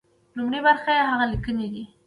لومړۍ برخه يې هغه ليکنې دي.